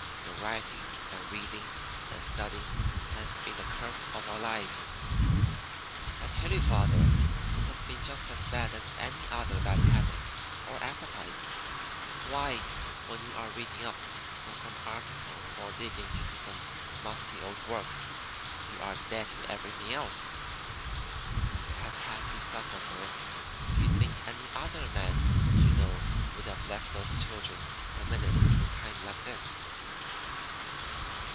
Your writing and reading and studying have been the curse of our lives. I tell you, father, it has been just as bad as any other bad habit or appetite. Why, when you are reading up for some article or digging into some musty old work, you are dead to everything else. And we have had to suffer for it. Do you think any other man you know would have left those children a minute in a time like this?"